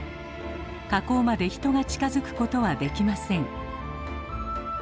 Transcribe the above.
火口まで人が近づくことはできません。